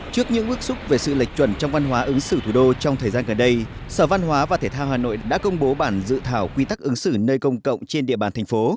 trước những bước xúc về sự lệch chuẩn trong văn hóa ứng xử thủ đô trong thời gian gần đây sở văn hóa và thể thao hà nội đã công bố bản dự thảo quy tắc ứng xử nơi công cộng trên địa bàn thành phố